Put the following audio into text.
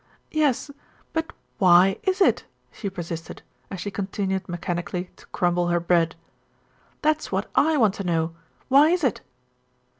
"Yes, but why is it?" she persisted, as she continued mechanically to crumble her bread. "That's what I want to know; why is it?"